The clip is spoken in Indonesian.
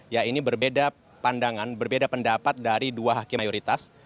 ya ini berbeda pandangan berbeda pendapat dari dua hakim mayoritas